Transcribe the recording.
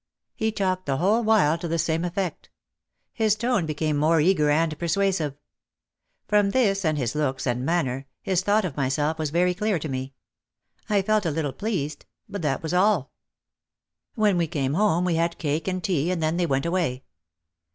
He talked the whole while to the same effect. His tone became more eager and persuasive. From this and his looks and manner his thought of myself was very clear to me. I felt a little pleased, but that was all. 204 OUT OF THE SHADOW When we came home we had cake and tea and then they went away.